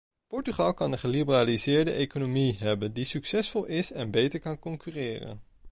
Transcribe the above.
Portugal kan een geliberaliseerde economie hebben die succesvol is en beter kan concurreren.